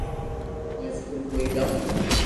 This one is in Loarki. ھون اسڪول ڪوئي جاو